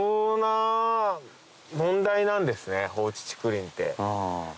なんですね放置竹林って。